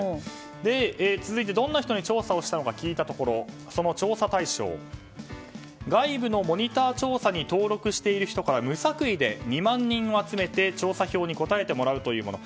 続いてどんな人に調査したのか聞いたところその調査対象外部のモニター調査に登録している人から無作為で２万人を集めて調査票に答えてもらうというもの。